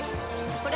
これ！